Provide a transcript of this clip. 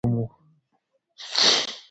هغه خلک چې د اورېدو له نعمته محروم وو